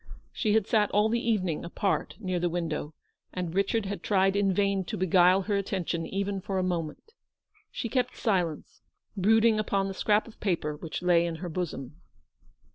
She had sat all the evening apart near the window, and Richard had tried in vain to beguile her attention even for a moment. She kept silence, brooding upon the scrap of paper which lay in her bosom.